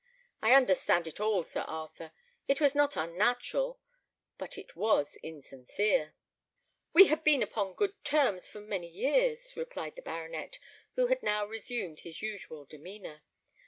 I understand it all, Sir Arthur; it was not unnatural, but it was insincere." "We had been upon good terms for many years," replied the baronet, who had now resumed his usual demeanour.